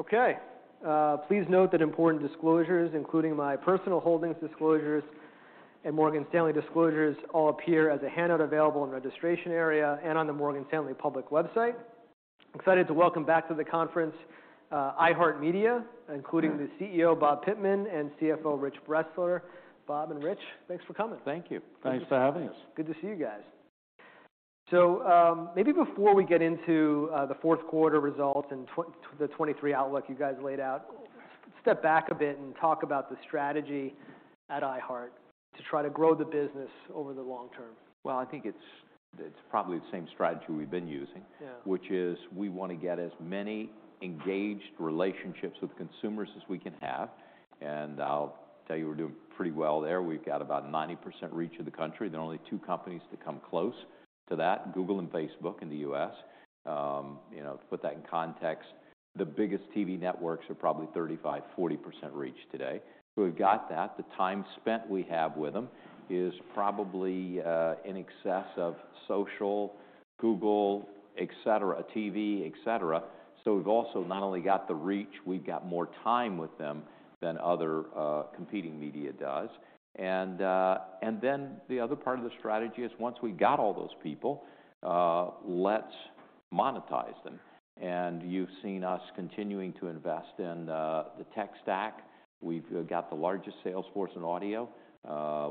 Okay. Please note that important disclosures, including my personal holdings disclosures and Morgan Stanley disclosures, all appear as a handout available in the registration area and on the Morgan Stanley public website. I'm excited to welcome back to the conference, iHeartMedia, including the CEO, Bob Pittman, and CFO, Rich Bressler. Bob and Rich, thanks for coming. Thank you. Thanks for having us. Good to see you guys. Maybe before we get into the fourth quarter results and the 2023 outlook you guys laid out, step back a bit and talk about the strategy at iHeart to try to grow the business over the long term. Well, I think it's probably the same strategy we've been using. Yeah. Which is we wanna get as many engaged relationships with consumers as we can have. I'll tell you, we're doing pretty well there. We've got about 90% reach of the country. There are only two companies that come close to that, Google and Facebook, in the U.S. You know, to put that in context, the biggest TV networks are probably 35%, 40% reach today. We've got that. The time spent we have with them is probably in excess of social, Google, et cetera, TV, et cetera. We've also not only got the reach, we've got more time with them than other competing media does. The other part of the strategy is once we've got all those people, let's monetize them. You've seen us continuing to invest in the tech stack. We've got the largest sales force in audio.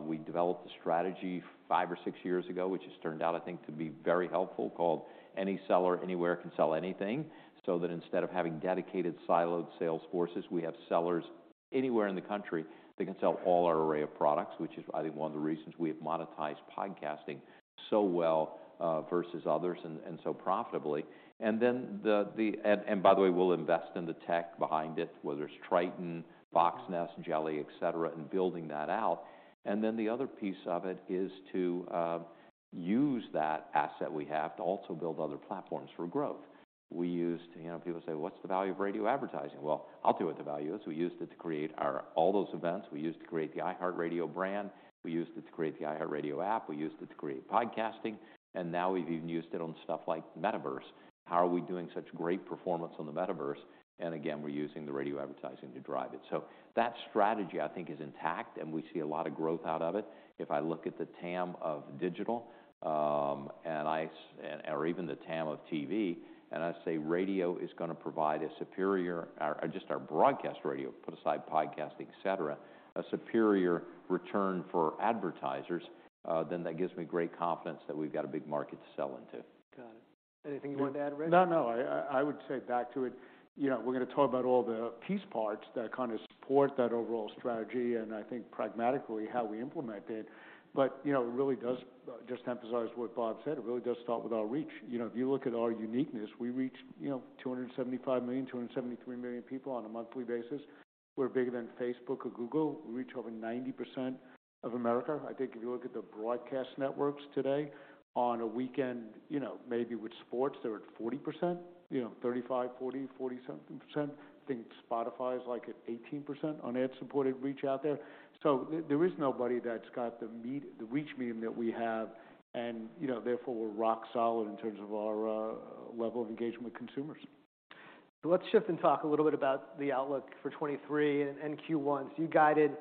We developed a strategy five or six years ago, which has turned out, I think, to be very helpful, called Any Seller Anywhere Can Sell Anything, so that instead of having dedicated siloed sales forces, we have sellers anywhere in the country that can sell all our array of products, which is, I think, one of the reasons we have monetized podcasting so well versus others and so profitably. Then by the way, we'll invest in the tech behind it, whether it's Triton, Voxnest, Jelli, et cetera, and building that out. Then the other piece of it is to use that asset we have to also build other platforms for growth. We used, you know, people say, "What's the value of radio advertising?" Well, I'll tell you what the value is. We used it to create all those events. We used it to create the iHeartRadio brand. We used it to create the iHeartRadio app. We used it to create podcasting. Now we've even used it on stuff like Metaverse. How are we doing such great performance on the Metaverse? Again, we're using the radio advertising to drive it. That strategy, I think, is intact, and we see a lot of growth out of it. If I look at the TAM of digital, or even the TAM of TV, I say radio is gonna provide a superior, or just our broadcast radio, put aside podcasting, et cetera, a superior return for advertisers, that gives me great confidence that we've got a big market to sell into. Got it. Anything you want to add, Rich? No, no. I, I would say back to it, you know, we're gonna talk about all the piece parts that kind of support that overall strategy and I think pragmatically how we implement it. You know, it really does, just to emphasize what Bob said, it really does start with our reach. You know, if you look at our uniqueness, we reach, you know, 275 million, 273 million people on a monthly basis. We're bigger than Facebook or Google. We reach over 90% of America. I think if you look at the broadcast networks today, on a weekend, you know, maybe with sports, they're at 40%, you know, 35%, 40% something percent. I think Spotify is, like, at 18% on ad-supported reach out there. There is nobody that's got the reach medium that we have, and, you know, therefore, we're rock solid in terms of our level of engagement with consumers. Let's shift and talk a little bit about the outlook for 2023 and Q1. You guided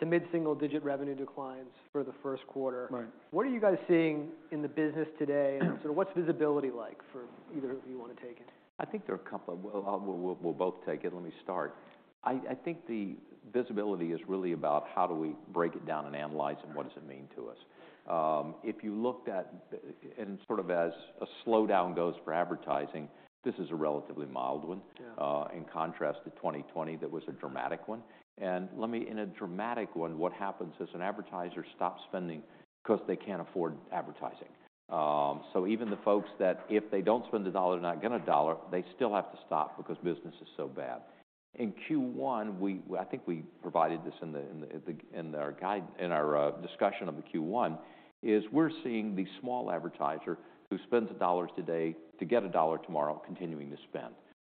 to mid-single-digit revenue declines for the first quarter. Right. What are you guys seeing in the business today, and sort of what's visibility like for...? Either of you want to take it? I think there are a couple. We'll both take it. Let me start. I think the visibility is really about how do we break it down and analyze and what does it mean to us. If you looked at, and sort of as a slowdown goes for advertising, this is a relatively mild one. Yeah... in contrast to 2020, that was a dramatic one. In a dramatic one, what happens is an advertiser stops spending because they can't afford advertising. Even the folks that if they don't spend $1, they're not getting $1, they still have to stop because business is so bad. In Q1, we, I think we provided this in the discussion of the Q1, is we're seeing the small advertiser who spends $1 today to get $1 tomorrow continuing to spend.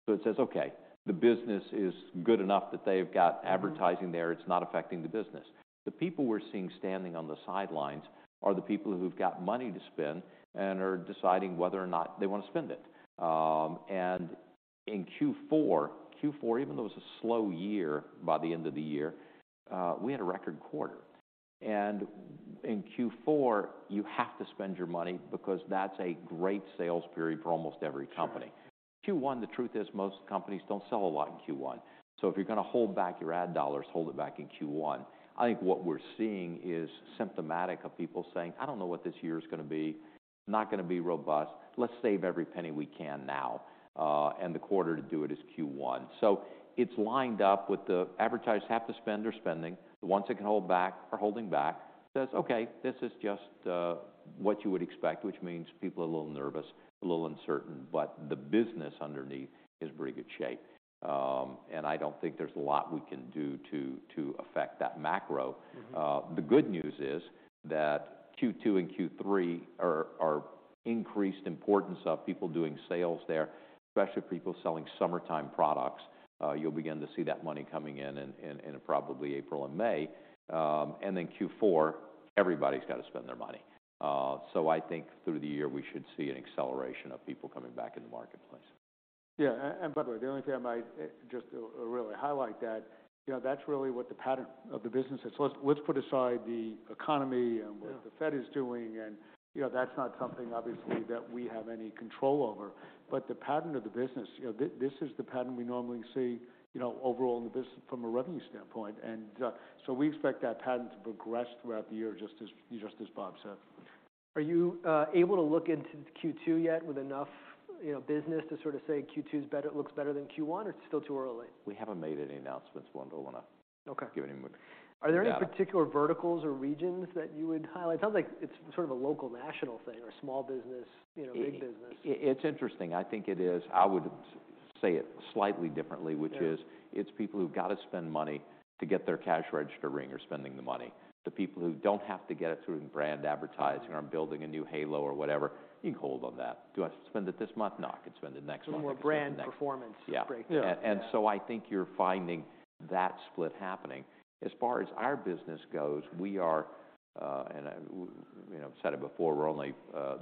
It says, okay, the business is good enough that they've got advertising there, it's not affecting the business. The people we're seeing standing on the sidelines are the people who've got money to spend and are deciding whether or not they want to spend it. In Q4, even though it was a slow year by the end of the year, we had a record quarter. In Q4, you have to spend your money because that's a great sales period for almost every company. Sure. Q1, the truth is most companies don't sell a lot in Q1. If you're gonna hold back your ad dollars, hold it back in Q1. I think what we're seeing is symptomatic of people saying, "I don't know what this year's gonna be. Not gonna be robust. Let's save every penny we can now." The quarter to do it is Q1. It's lined up with the advertisers have to spend, they're spending. The ones that can hold back are holding back. Says, okay, this is just what you would expect, which means people are a little nervous, a little uncertain, but the business underneath is in very good shape. I don't think there's a lot we can do to affect that macro. Mm-hmm. The good news is that Q2 and Q3 are increased importance of people doing sales there, especially people selling summertime products. You'll begin to see that money coming in probably April and May. Q4, everybody's got to spend their money. I think through the year we should see an acceleration of people coming back in the marketplace. Yeah, by the way, the only thing I might just really highlight that, you know, that's really what the pattern of the business is. Let's put aside the economy. Yeah... and what the Fed is doing, and, you know, that's not something obviously that we have any control over. The pattern of the business, you know, this is the pattern we normally see, you know, overall in the business from a revenue standpoint. We expect that pattern to progress throughout the year, just as Bob said. Are you able to look into Q2 yet with enough, you know, business to sort of say Q2's better, looks better than Q1, or it's still too early? We haven't made any announcements, Wendell. I don't want to. Okay... give any more data. Are there any particular verticals or regions that you would highlight? Sounds like it's sort of a local national thing or small business, you know, big business. It's interesting. I think it is. I would say it slightly differently, which is- Yeah... it's people who've got to spend money to get their cash register ring or spending the money. The people who don't have to get it through in brand advertising or building a new halo or whatever, you can hold on that. Do I spend it this month? No, I can spend it next month. A little more brand performance breakdown. Yeah. Yeah. I think you're finding that split happening. As far as our business goes, we are, you know, said it before, we're only,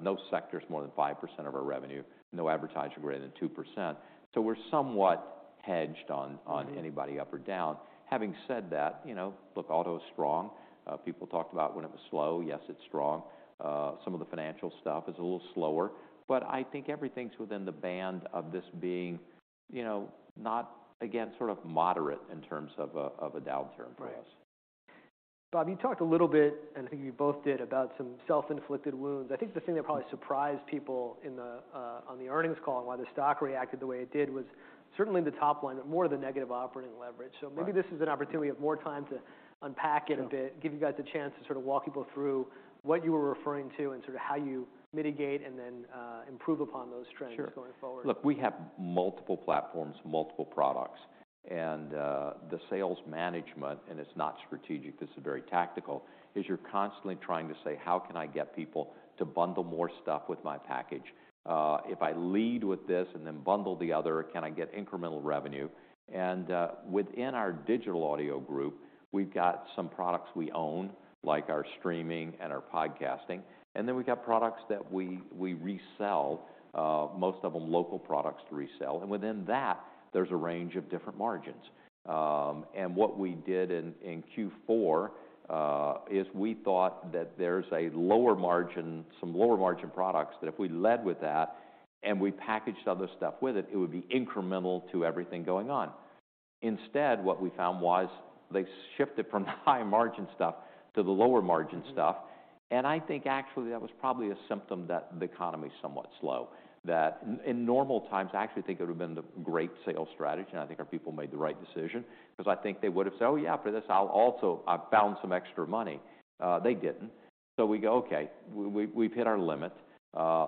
no sectors more than 5% of our revenue, no advertiser greater than 2%, so we're somewhat hedged on anybody up or down. Having said that, you know, look, auto is strong. People talked about when it was slow. Yes, it's strong. Some of the financial stuff is a little slower, but I think everything's within the band of this being, you know, not, again, sort of moderate in terms of a, of a downturn for us. Right. Bob, you talked a little bit, and I think you both did, about some self-inflicted wounds. I think the thing that probably surprised people in the on the earnings call and why the stock reacted the way it did was certainly the top line, more the negative operating leverage. Right. Maybe this is an opportunity of more time to unpack it a bit. Sure. Give you guys a chance to sort of walk people through what you were referring to and sort of how you mitigate and then, improve upon those trends. Sure... going forward. Look, we have multiple platforms, multiple products, and the sales management, and it's not strategic, this is very tactical, is you're constantly trying to say, "How can I get people to bundle more stuff with my package? If I lead with this and then bundle the other, can I get incremental revenue?" Within our Digital Audio Group, we've got some products we own, like our streaming and our podcasting, and then we've got products that we resell, most of them local products to resell. Within that, there's a range of different margins. What we did in Q4 is we thought that there's a lower margin, some lower margin products that if we led with that and we packaged other stuff with it would be incremental to everything going on. Instead, what we found was they shifted from the high margin stuff to the lower margin stuff. I think actually that was probably a symptom that the economy is somewhat slow. That in normal times, I actually think it would have been the great sales strategy, and I think our people made the right decision because I think they would have said, "Oh yeah, for this I'll also... I found some extra money." They didn't. We go, "Okay. We've hit our limit.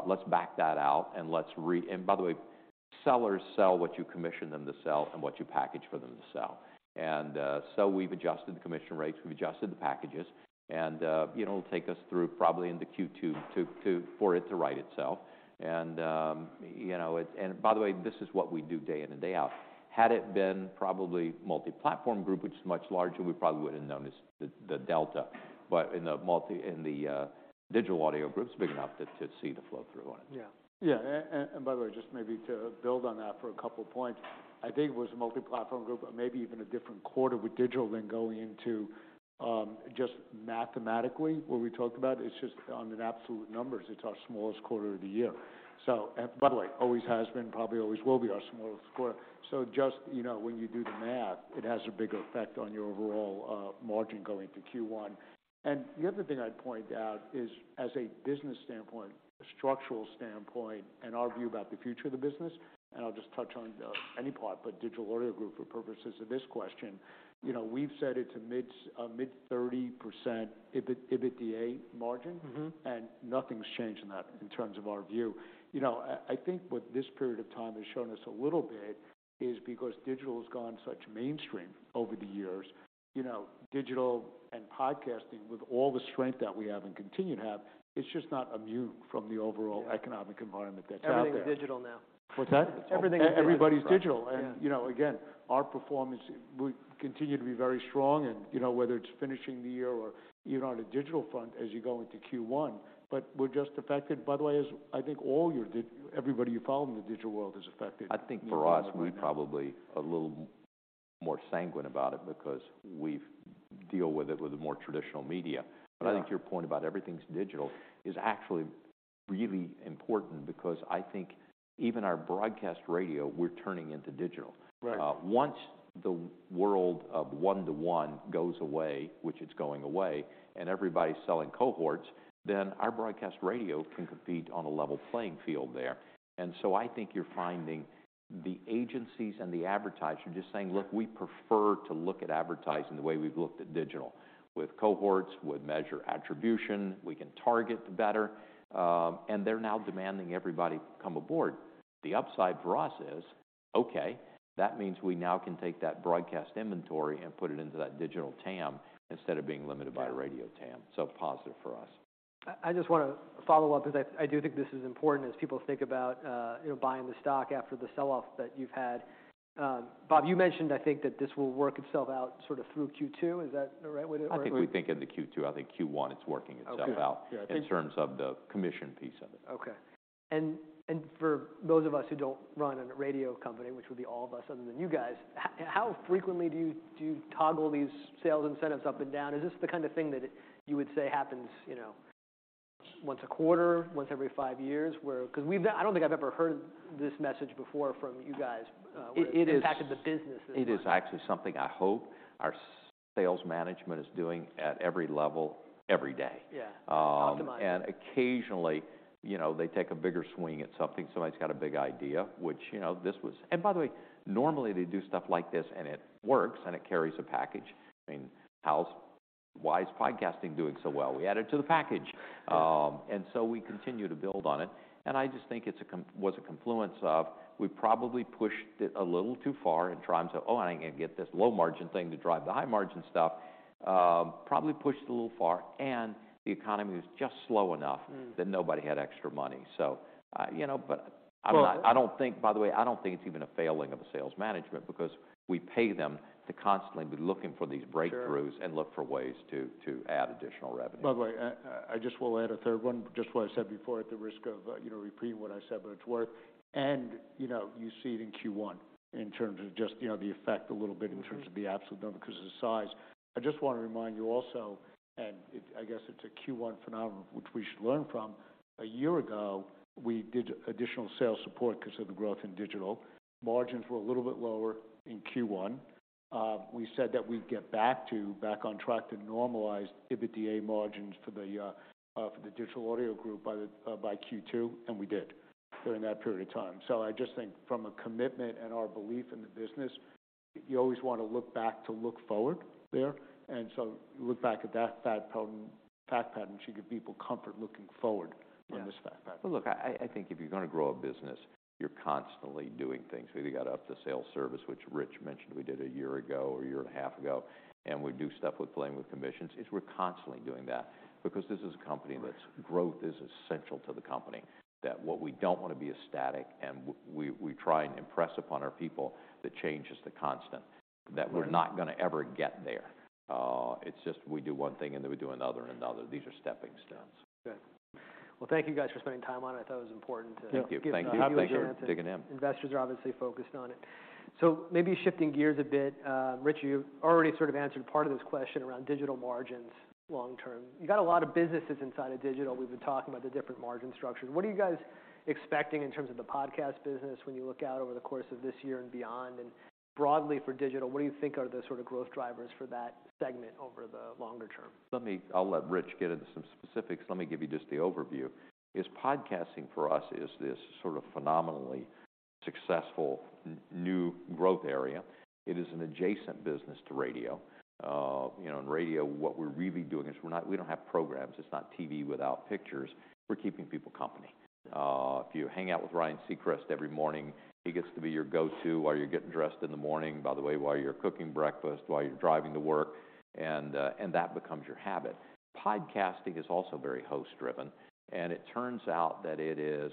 Let's back that out." By the way, sellers sell what you commission them to sell and what you package for them to sell. We've adjusted the commission rates, we've adjusted the packages, and, you know, it'll take us through probably into Q2 to for it to right itself. you know, by the way, this is what we do day in and day out. Had it been probably Multiplatform Group, which is much larger, we probably wouldn't have noticed the delta. In the Digital Audio Group, it's big enough to see the flow through on it. Yeah. Yeah. By the way, just maybe to build on that for a couple of points. I think it was a Multiplatform Group, maybe even a different quarter with digital than going into, just mathematically what we talked about. It's just on an absolute numbers, it's our smallest quarter of the year. By the way, always has been, probably always will be our smallest quarter. Just, you know, when you do the math, it has a bigger effect on your overall margin going to Q1. The other thing I'd point out is, as a business standpoint, structural standpoint, and our view about the future of the business, and I'll just touch on any part, but Digital Audio Group for purposes of this question. You know, we've said it to mid-30% EBITDA margin. Mm-hmm. Nothing's changed in that in terms of our view. You know, I think what this period of time has shown us a little bit is because digital has gone such mainstream over the years, you know, digital and podcasting with all the strength that we have and continue to have, it's just not immune from the overall economic environment that's out there. Everything is digital now. What's that? Everything is digital. Everybody's digital. Yeah. You know, again, our performance, we continue to be very strong and, you know, whether it's finishing the year or even on a digital front as you go into Q1. We're just affected, by the way, as I think all your everybody you follow in the digital world is affected more and more right now. I think for us, we're probably a little more sanguine about it because we've deal with it with a more traditional media. Yeah. I think your point about everything's digital is actually really important because I think even our broadcast radio, we're turning into digital. Right. Once the world of one-to-one goes away, which it's going away, and everybody's selling cohorts, then our broadcast radio can compete on a level playing field there. I think you're finding the agencies and the advertisers just saying, "Look, we prefer to look at advertising the way we've looked at digital, with cohorts, with measure attribution, we can target better," and they're now demanding everybody come aboard. The upside for us is, okay, that means we now can take that broadcast inventory and put it into that digital TAM instead of being limited by a radio TAM. Positive for us. I just wanna follow up because I do think this is important as people think about, you know, buying the stock after the sell-off that you've had. Bob, you mentioned, I think, that this will work itself out sort of through Q2. Is that the right way? I think we think into Q2. I think Q1 it's working itself out. Okay. in terms of the commission piece of it. Okay. For those of us who don't run a radio company, which would be all of us other than you guys, how frequently do you toggle these sales incentives up and down? Is this the kind of thing that you would say happens, you know, once a quarter, once every five years, where... I don't think I've ever heard this message before from you guys. It is- Where it impacted the business this much. It is actually something I hope our sales management is doing at every level every day. Yeah. Optimize. Occasionally, you know, they take a bigger swing at something, somebody's got a big idea, which, you know, this was. By the way, normally they do stuff like this and it works, and it carries a package. I mean, why is podcasting doing so well? We add it to the package. So we continue to build on it, and I just think it's a confluence of, we probably pushed it a little too far in trying to, oh, how I can get this low margin thing to drive the high margin stuff. Probably pushed it a little far, and the economy was just slow enough. Mm. that nobody had extra money. you know, but I'm not. Well- I don't think, by the way, I don't think it's even a failing of the sales management because we pay them to constantly be looking for these breakthroughs- Sure. look for ways to add additional revenue. By the way, I just will add a third one. Just what I said before at the risk of, you know, repeating what I said, but it's worth. you know, you see it in Q1 in terms of just, you know, the effect a little bit. Mm-hmm. -in terms of the absolute number because of the size. I just want to remind you also, I guess it's a Q1 phenomenon which we should learn from, a year ago, we did additional sales support because of the growth in digital. Margins were a little bit lower in Q1. We said that we'd get back on track to normalized EBITDA margins for the Digital Audio Group by Q2, and we did during that period of time. I just think from a commitment and our belief in the business, you always want to look back to look forward there. You look back at that fact pattern, fact pattern should give people comfort looking forward- Yeah. from this fact pattern. Look, I think if you're going to grow a business, you're constantly doing things. We either got up the sales service, which Rich mentioned we did a year ago or a year and a half ago, and we do stuff with playing with commissions. It's we're constantly doing that because this is a company that's growth is essential to the company. What we don't want to be is static, and we try and impress upon our people that change is the constant. We're not gonna ever get there. It's just we do one thing and then we do another and another. These are stepping stones. Sure. Good. Well, thank you guys for spending time on it. I thought it was important. Thank you. Thank you. give an update on it. Thanks for digging in. Investors are obviously focused on it. Maybe shifting gears a bit, Rich, you already sort of answered part of this question around digital margins long term. You got a lot of businesses inside of digital. We've been talking about the different margin structures. What are you guys expecting in terms of the podcast business when you look out over the course of this year and beyond? Broadly for digital, what do you think are the sort of growth drivers for that segment over the longer term? I'll let Rich get into some specifics. Let me give you just the overview, is podcasting for us is this sort of phenomenally successful new growth area. It is an adjacent business to radio. You know, in radio, what we're really doing is we don't have programs. It's not TV without pictures. We're keeping people company. If you hang out with Ryan Seacrest every morning, he gets to be your go-to while you're getting dressed in the morning, by the way, while you're cooking breakfast, while you're driving to work, and that becomes your habit. Podcasting is also very host-driven, and it turns out that it is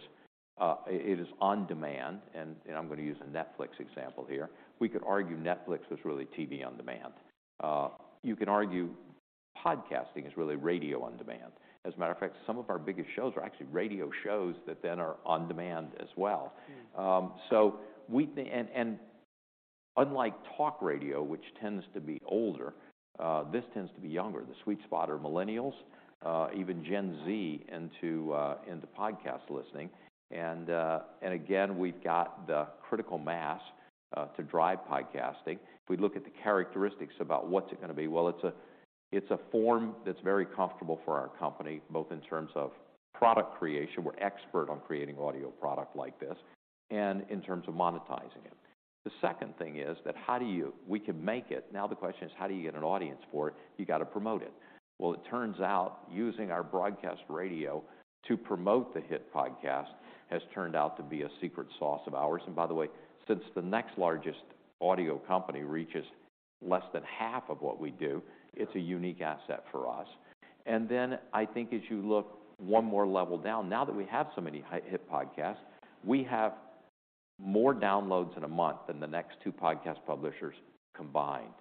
on demand, and I'm gonna use a Netflix example here. We could argue Netflix is really TV on demand. You can argue podcasting is really radio on demand. As a matter of fact, some of our biggest shows are actually radio shows that then are on demand as well. Mm. Unlike talk radio, which tends to be older, this tends to be younger. The sweet spot are millennials, even Gen Z into podcast listening. Again, we've got the critical mass to drive podcasting. If we look at the characteristics about what's it gonna be? It's a, it's a form that's very comfortable for our company, both in terms of product creation, we're expert on creating audio product like this, and in terms of monetizing it. The second thing is that we can make it. Now the question is how do you get an audience for it? You gotta promote it. It turns out using our broadcast radio to promote the hit podcast has turned out to be a secret sauce of ours. By the way, since the next largest audio company reaches less than half of what we do, it's a unique asset for us. Then I think as you look one more level down, now that we have so many high-hit podcasts, we have more downloads in a month than the next two podcast publishers combined.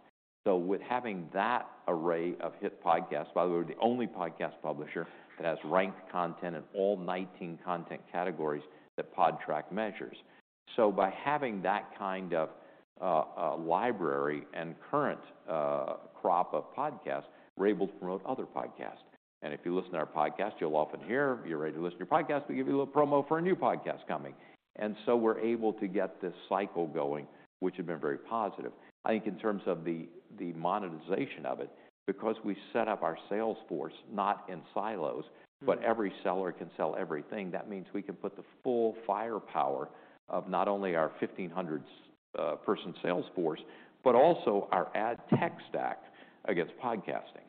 With having that array of hit podcasts, by the way, we're the only podcast publisher that has ranked content in all 19 content categories that Podtrac measures. By having that kind of library and current crop of podcasts, we're able to promote other podcasts. If you listen to our podcasts, you'll often hear, "You're ready to listen to your podcast, we give you a little promo for a new podcast coming." We're able to get this cycle going, which has been very positive. I think in terms of the monetization of it, because we set up our sales force not in silos. Mm. Every seller can sell everything, that means we can put the full firepower of not only our 1,500 person sales force, but also our ad tech stack against podcasting.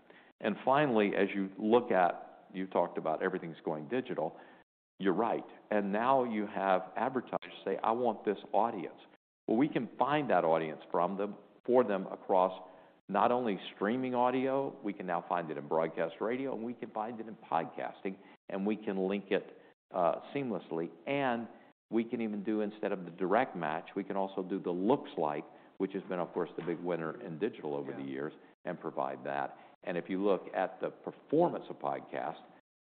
Finally, as you look at, you talked about everything's going digital. You're right. Now you have advertisers say, "I want this audience." Well, we can find that audience for them across not only streaming audio, we can now find it in broadcast radio, and we can find it in podcasting, and we can link it seamlessly. We can even do, instead of the direct match, we can also do the looks like, which has been, of course, the big winner in digital. Yeah over the years, and provide that. If you look at the performance of podcasts,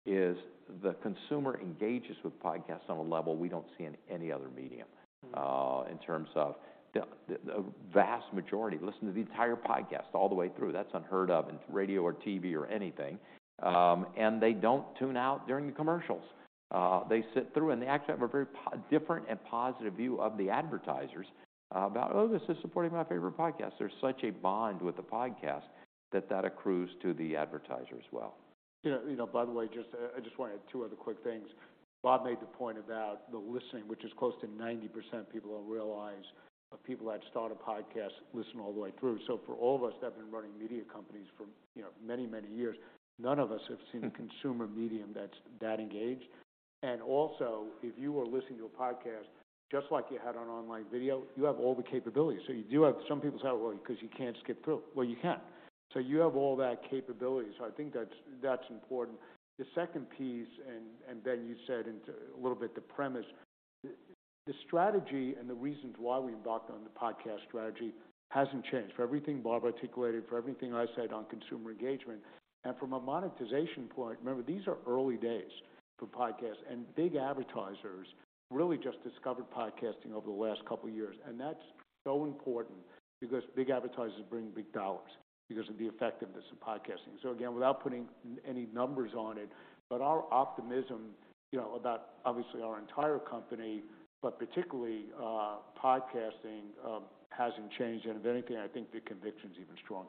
is the consumer engages with podcasts on a level we don't see in any other medium. Mm-hmm. In terms of the, the vast majority listen to the entire podcast all the way through. That's unheard of in radio or TV or anything. They don't tune out during the commercials. They sit through and they actually have a very different and positive view of the advertisers about, "Oh, this is supporting my favorite podcast." There's such a bond with the podcast that accrues to the advertiser as well. You know, by the way, just, I just wanna add two other quick things. Bob made the point about the listening, which is close to 90% people don't realize, of people that start a podcast listen all the way through. For all of us that have been running media companies for, you know, many, many years, none of us have. Mm-hmm A consumer medium that's engaged. Also, if you are listening to a podcast, just like you had on online video, you have all the capabilities. Some people say, "Well, 'cause you can't skip through." Well, you can't. You have all that capability, so I think that's important. The second piece, and Ben, you said into a little bit the premise, the strategy and the reasons why we embarked on the podcast strategy hasn't changed. For everything Bob articulated, for everything I said on consumer engagement, and from a monetization point, remember, these are early days for podcasts, and big advertisers really just discovered podcasting over the last couple years. That's so important because big advertisers bring big dollars because of the effectiveness of podcasting. Again, without putting any numbers on it, but our optimism, you know, about obviously our entire company, but particularly podcasting, hasn't changed. If anything, I think the conviction's even stronger.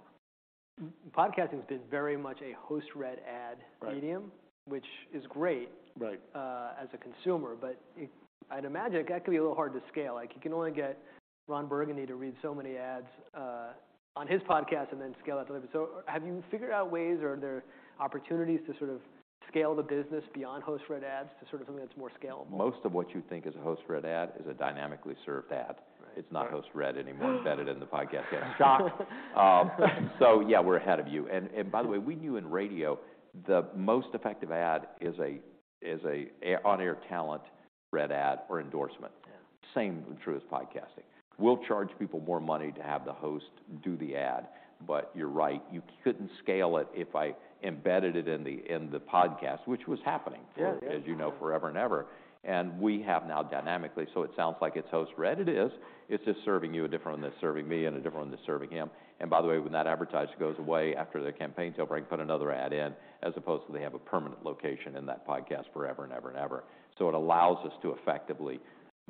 Podcasting's been very much a host-read ad- Right medium. Which is great Right as a consumer. It, I'd imagine that could be a little hard to scale. Like, you can only get Ron Burgundy to read so many ads on his podcast and then scale that. Have you figured out ways, or are there opportunities to sort of scale the business beyond host-read ads to sort of something that's more scalable? Most of what you think is a host-read ad is a dynamically served ad. Right. It's not host-read anymore. Embedded in the podcast. Yeah. Shocked. Yeah, we're ahead of you. By the way, we knew in radio the most effective ad is a, is a on-air talent read ad or endorsement. Yeah. Same true as podcasting. We'll charge people more money to have the host do the ad. You're right, you couldn't scale it if I embedded it in the podcast, which was happening. Yeah. Yeah. As you know, forever and ever. We have now dynamically, so it sounds like it's host-read. It is. It's just serving you a different one than serving me and a different one than serving him. By the way, when that advertiser goes away after the campaign's over, I can put another ad in, as opposed to they have a permanent location in that podcast forever and ever and ever. It allows us to effectively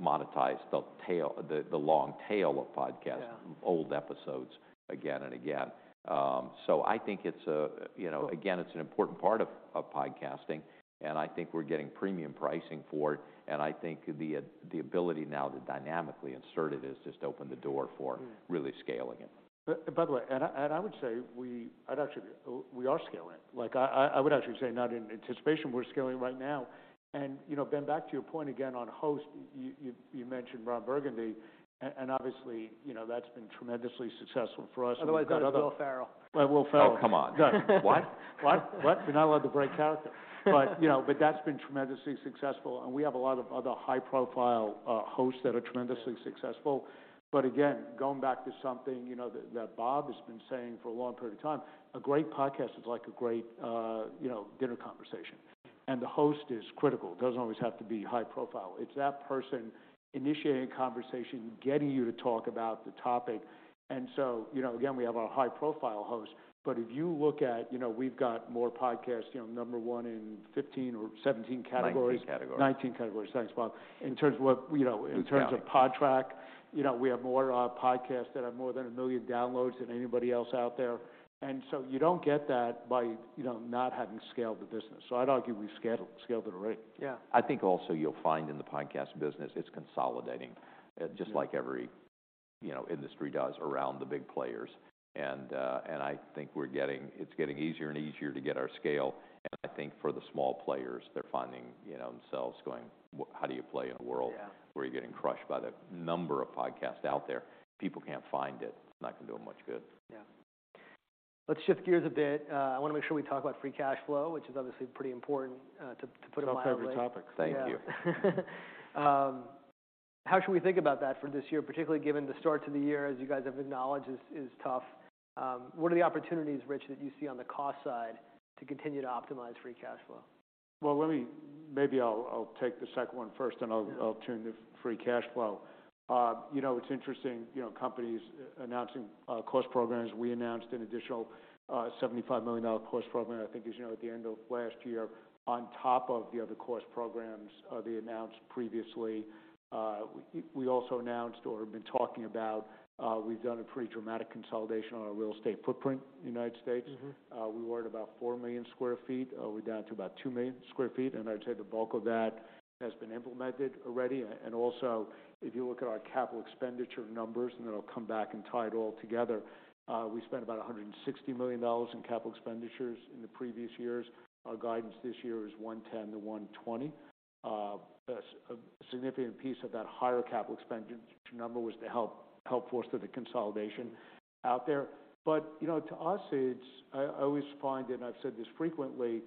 monetize the tail, the long tail of podcasts. Yeah -old episodes again and again. I think it's, you know, again, it's an important part of podcasting, and I think we're getting premium pricing for it. I think the ability now to dynamically insert it has just opened the door for. Mm-hmm really scaling it. By the way, I would say we. We are scaling. Like I would actually say not in anticipation, we're scaling right now. You know, Ben, back to your point again on host. You mentioned Ron Burgundy and obviously, you know, that's been tremendously successful for us. We've got other. Otherwise I'd have Will Ferrell. Right, Will Ferrell. Oh, come on. What? What? What? you know, that's been tremendously successful, we have a lot of other high-profile hosts that are tremendously successful. again, going back to something, you know, that Bob has been saying for a long period of time, a great podcast is like a great, you know, dinner conversation. The host is critical. Doesn't always have to be high profile. It's that person initiating conversation, getting you to talk about the topic. you know, again, we have our high-profile hosts. if you look at, you know, we've got more podcasts, you know, number one in 15 or 17 categories. 19 categories. 19 categories. Thanks, Bob. In terms of what, you know. Keep counting. in terms of Podtrac, you know, we have more podcasts that have more than 1 million downloads than anybody else out there. You don't get that by, you know, not having scaled the business. I'd argue we scaled it already. Yeah. I think also you'll find in the podcast business, it's consolidating. Just like every, you know, industry does around the big players. I think we're getting, it's getting easier and easier to get our scale. I think for the small players, they're finding, you know, themselves going, "Well, how do you play in a world- Yeah Where you're getting crushed by the number of podcasts out there?" People can't find it. It's not gonna do them much good. Yeah. Let's shift gears a bit. I wanna make sure we talk about free cash flow, which is obviously pretty important, to put it mildly. It's our favorite topic. Thank you. How should we think about that for this year, particularly given the start to the year, as you guys have acknowledged, is tough. What are the opportunities, Rich, that you see on the cost side to continue to optimize free cash flow? Well, let me. Maybe I'll take the second one first, I'll turn to free cash flow. you know, it's interesting, you know, companies announcing cost programs. We announced an additional $75 million cost program, I think, as you know, at the end of last year, on top of the other cost programs that we announced previously. We also announced or have been talking about, we've done a pretty dramatic consolidation on our real estate footprint in the United States. Mm-hmm. We were at about 4 million sq ft. We're down to about 2 million sq ft. I'd say the bulk of that has been implemented already. Also, if you look at our capital expenditure numbers, and then I'll come back and tie it all together, we spent about $160 million in capital expenditures in the previous years. Our guidance this year is $110 million-$120 million. A significant piece of that higher capital expenditure number was to help foster the consolidation out there. You know, to us, it's, I always find, and I've said this frequently,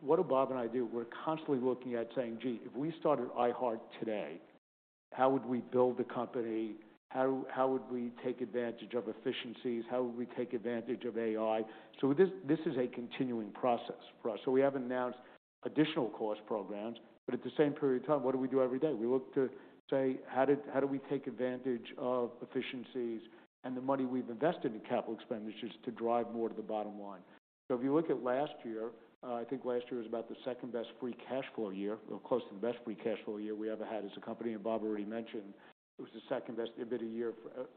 what Bob and I do, we're constantly looking at saying, "Gee, if we started iHeart today-"How would we build the company? How would we take advantage of efficiencies? How would we take advantage of AI? This is a continuing process for us. We have announced additional cost programs, but at the same period of time, what do we do every day? We look to say, "How do we take advantage of efficiencies and the money we've invested in capital expenditures to drive more to the bottom line?" If you look at last year, I think last year was about the 2nd-best free cash flow year, or close to the best free cash flow year we ever had as a company. Bob already mentioned it was the 2nd-best EBITDA year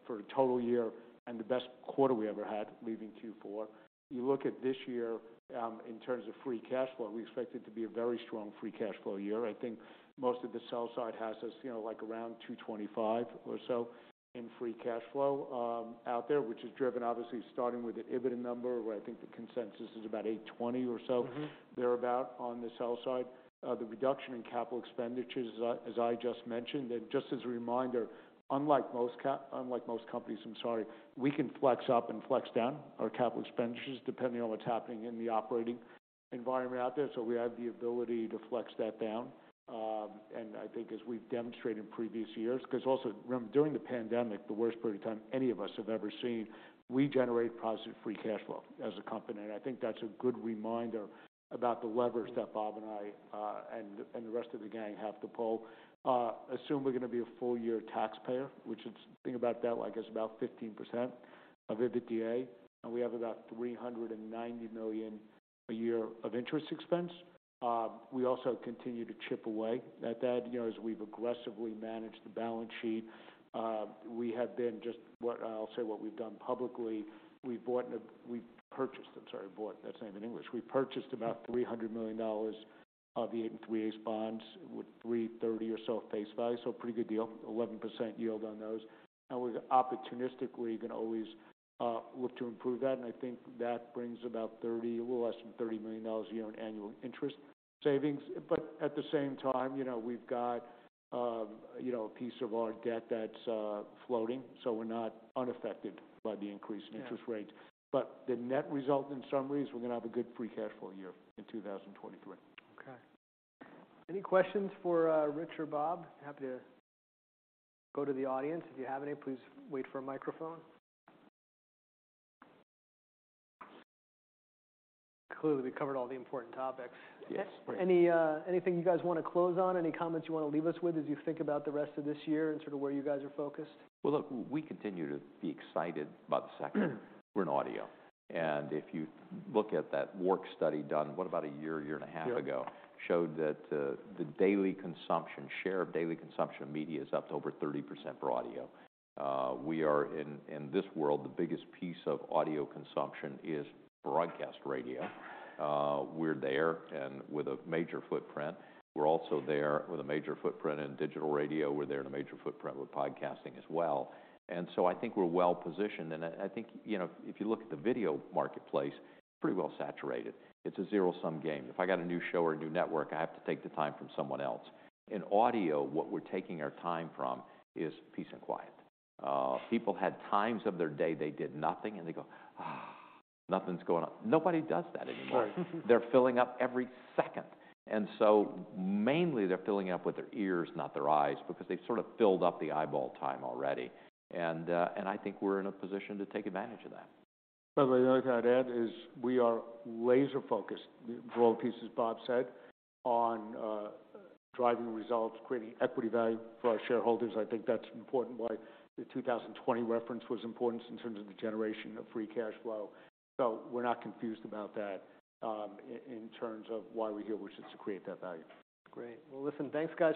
for a total year and the best quarter we ever had, leaving Q4. You look at this year, in terms of free cash flow, we expect it to be a very strong free cash flow year. I think most of the sell side has us, you know, like, around $225 million or so in free cash flow, out there, which is driven obviously starting with the EBITDA number, where I think the consensus is about $820 million or so. Mm-hmm... thereabout on the sell side. The reduction in capital expenditures, as I just mentioned, and just as a reminder, unlike most companies, I'm sorry, we can flex up and flex down our capital expenditures depending on what's happening in the operating environment out there, so we have the ability to flex that down. And I think as we've demonstrated in previous years, 'cause also during the pandemic, the worst period of time any of us have ever seen, we generate positive free cash flow as a company, and I think that's a good reminder about the leverage that Bob and I, and the rest of the gang have to pull. Assume we're going to be a full year taxpayer, which is, think about that, like, is about 15% of EBITDA, and we have about $390 million a year of interest expense. We also continue to chip away at that, you know, as we've aggressively managed the balance sheet. We have been I'll say what we've done publicly, we've purchased, I'm sorry, bought, that's not even English. We purchased about $300 million of the [8.375] bonds with $330 or so face value, so a pretty good deal, 11% yield on those. We're opportunistically going to always look to improve that, and I think that brings about $30, a little less than $30 million a year on annual interest savings. At the same time, you know, we've got, you know, a piece of our debt that's floating, so we're not unaffected by the increased interest rates. Yeah. The net result, in summary, is we're gonna have a good free cash flow year in 2023. Okay. Any questions for Rich or Bob? Happy to go to the audience. If you have any, please wait for a microphone. Clearly, we covered all the important topics. Yes. Any anything you guys wanna close on? Any comments you wanna leave us with as you think about the rest of this year and sort of where you guys are focused? Well, look, we continue to be excited about the sector. We're in audio. If you look at that WARC study done, what, about a year and a half ago. Yeah... showed that the daily consumption, share of daily consumption media is up to over 30% for audio. We are in this world, the biggest piece of audio consumption is broadcast radio. We're there and with a major footprint. We're also there with a major footprint in digital radio. We're there in a major footprint with podcasting as well. I think we're well-positioned, and I think, you know, if you look at the video marketplace, pretty well saturated. It's a zero-sum game. If I got a new show or a new network, I have to take the time from someone else. In audio, what we're taking our time from is peace and quiet. People had times of their day they did nothing, and they go, "Nothing's going on." Nobody does that anymore. Right. They're filling up every second. Mainly they're filling it up with their ears, not their eyes, because they've sort of filled up the eyeball time already. I think we're in a position to take advantage of that. By the way, what I'd add is we are laser-focused, for all the pieces Bob said, on driving results, creating equity value for our shareholders. I think that's important. Why the 2020 reference was important in terms of the generation of free cash flow. We're not confused about that, in terms of why we're here, which is to create that value. Great. Well, listen, thanks guys.